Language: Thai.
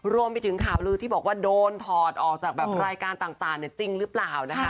รวมไปถึงข่าวลือที่บอกว่าโดนถอดออกจากแบบรายการต่างจริงหรือเปล่านะคะ